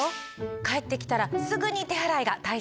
帰ってきたらすぐに手洗いが大切ですね！